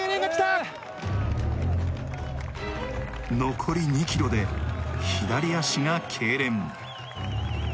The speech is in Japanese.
残り２ｋｍで左足がけいれん。